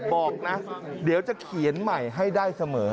บอกนะเดี๋ยวจะเขียนใหม่ให้ได้เสมอ